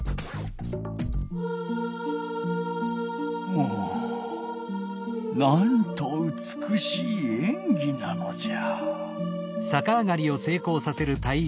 おおなんとうつくしいえんぎなのじゃ。